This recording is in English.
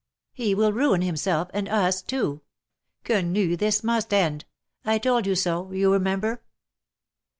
He will ruin himself, and us too. Quenu, this must end. I told you so, you remember."